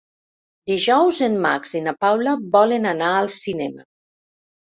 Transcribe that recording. Dijous en Max i na Paula volen anar al cinema.